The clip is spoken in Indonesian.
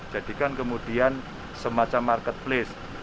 jadikan kemudian semacam marketplace